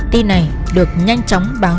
tin này được nhanh chóng báo